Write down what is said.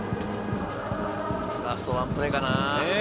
ラストワンプレーかな。